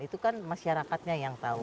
itu kan masyarakatnya yang tahu